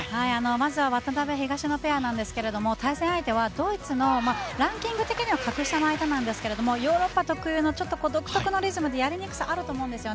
まずは渡辺、東野ペアですが対戦相手はドイツのランキング的には格下の相手なんですがヨーロッパ特有の独特なリズムでやりにくさもあると思うんです。